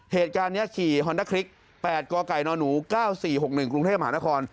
เหตุการณ์นี้ขี่ฮอนด้าคลิก๘กกนหนู๙๔๖๑กรุงเทพมหานคร